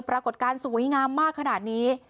ปรากฏการณ์สวยงามมากขนาดนี้